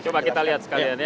coba kita lihat sekalian ya